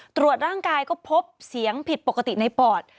ตรวจร่างกายก็พบเสียงผิดปกติในปอด